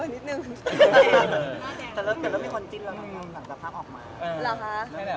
สนุกมากเลยอ่ะ